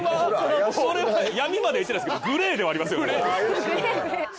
それは闇まではいってないですけどグレーではありますよね。